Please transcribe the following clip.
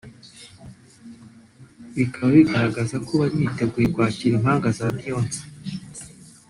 bikaba bigaragaraza ko bari biteguye kwakira impanga za Beyonce